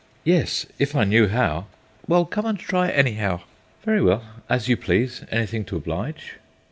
"Yes, if I knew how." "Well, come and try, anyhow." "Very well, as you please; anything to oblige."